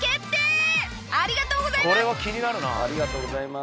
ありがとうございます！